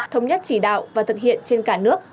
thống nhất chỉ đạo và thực hiện trên cả nước